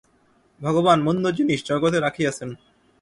ভগবান মন্দ জিনিষ জগতে রাখিয়াছেন।